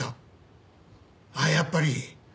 あっやっぱり。